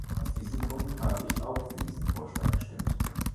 Aus diesem Grund habe ich auch für diesen Vorschlag gestimmt.